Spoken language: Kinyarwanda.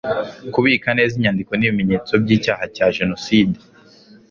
kubika neza inyandiko n'ibimenyetso by'icyaha cya jenoside